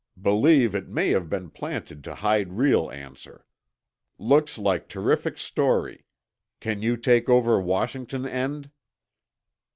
BELIEVE IT MAY HAVE BEEN PLANTED TO HIDE REAL ANSWER. LOOKS LIKE TERRIFIC STORY. CAN YOU TAKE OVER WASHINGTON END?